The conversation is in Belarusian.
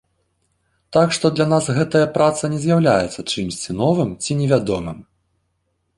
Так што для нас гэтая праца не з'яўляецца чымсьці новым ці невядомым.